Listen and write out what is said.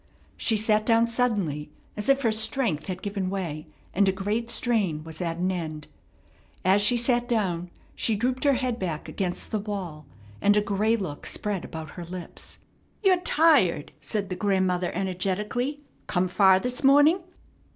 She sat down suddenly, as if her strength had given way and a great strain was at an end. As she sat down, she drooped her head back against the wall; and a gray look spread about her lips. "You're tired," said the grandmother, energetically. "Come far this morning?"